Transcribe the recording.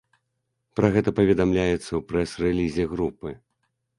Пра гэта паведамляецца ў прэс-рэлізе групы.